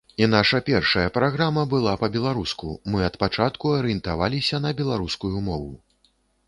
І наша першая праграма была па-беларуску, мы ад пачатку арыентаваліся на беларускую мову.